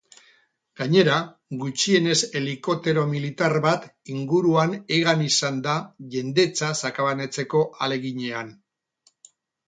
Gainera, gutxienez helikoptero militar bat inguruan hegan izan da jendetza sakabanatzeko ahaleginean.